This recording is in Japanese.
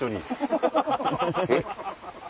えっ？